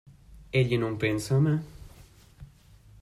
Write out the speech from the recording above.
Egli non pensa a me?